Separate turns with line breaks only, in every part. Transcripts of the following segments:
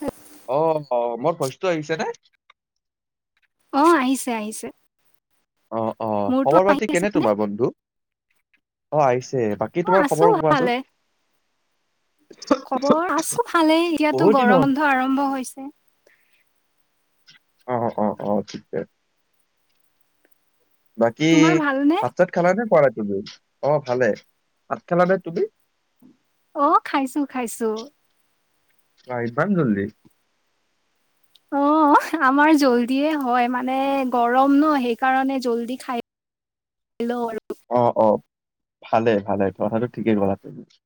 উ-
অ' হ' মোৰ ভইজটো আহিছে নে?
অহ, আহিছে আহিছে।
অ' অ'
মোৰতো
খবৰ
আহি
পাতি
আছে
কেনে
নে
তোমাৰ বন্ধু? অ' আহিছ- ছে
অ
বাকী তোমাৰ
আছো
খবৰ
ভালে
কোৱাচোন?
খবৰ আছোঁ ভালেই। এতিয়াতো
বহুত দিন
গৰম
হ'ল
বন্ধ আৰম্ভ হৈছে।
অ', অ', অ', ঠিক। বাকী,
তোমাৰ ভালনে
ভাত-চাত খেলা নে খোৱা নাই তুমি? অ', ভালে। ভাত খেলা নে তুমি?
অহ, খাইছোঁ খাইছোঁ।
বা ইমান জল্দি?
অহ, আমাৰ জল্দিয়ে হয়। মানে, গৰম ন, সেইকাৰণে জল্দি খাই- লওঁ আৰু।
অ' অ', ভালে ভালে। কথাটো ঠিকেই কলা তুমি। [inaudible]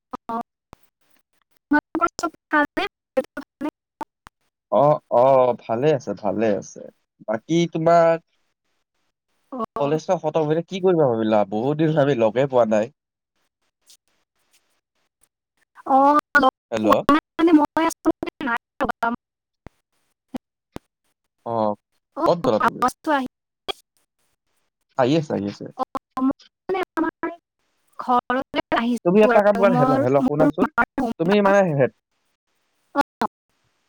অ' [unintelligible] [unintelligible] [unintelligible]
অ' অ', ভালে আছে, ভালে আছে। বাকী তোমাক-
অ
কলেজো খতম হৈ এতিয়া কি কৰিব ভাবিলা? বহুত দিন ভাবি লগে পোৱা নাই। [inaudible]
অহ, লগ-
হেল্ল'
পোৱা নাই মানে [unintelligible] [unintelligible]
অহ।
অহ [unintelligible] [unintelligible]
আহি আছে, আহি আছে।
ঘৰত
তুমি এটা কাম কৰা, হেল্ল' হেল্ল' শুনাচোন।
মাৰ হোম
তুমি
টাউন।
মানে হেট-
অ,
[inaudible]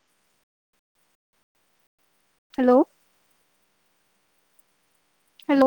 হেল্ল' হেল্ল'